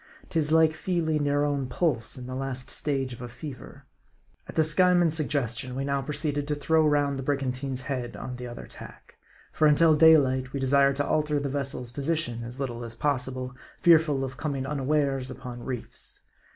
'Tis like feeling your own pulse in the last stage of a fever. At the Skyeman's suggestion, we now proceeded to throw round the brigantine's head on the other tack. For until daylight we desired to alter the vessel's position as little as possible, fearful of coming unawares upon reefs.